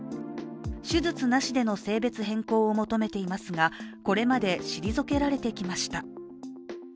手術なしでの性別変更を求めていますがこれまで退けられてきました。